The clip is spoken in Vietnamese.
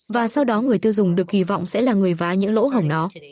và sau đó người tiêu dùng được kỳ vọng sẽ là người vá những lỗ hổng đó